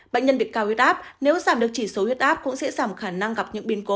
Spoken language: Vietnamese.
bệnh nhân bịt cao huyết áp nếu giảm được chỉ số huyết áp cũng sẽ giảm khả năng gặp những biến cố